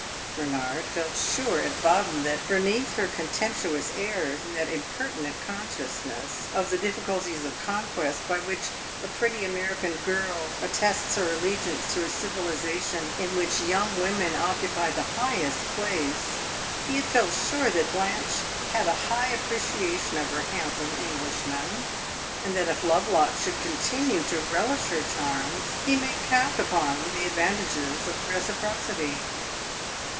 Bernard had felt sure at Baden that, beneath her contemptuous airs and that impertinent consciousness of the difficulties of conquest by which a pretty American girl attests her allegiance to a civilization in which young women occupy the highest place he had felt sure that Blanche had a high appreciation of her handsome Englishman, and that if Lovelock should continue to relish her charms, he might count upon the advantages of reciprocity.